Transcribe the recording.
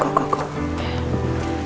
go ke kamarnya